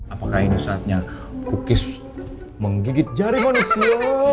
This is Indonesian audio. apakah ini saatnya cookis menggigit jari manusia